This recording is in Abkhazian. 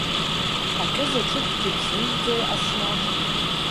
Акызаҵәыкгьы бзымжәӡои, Асмаҭ?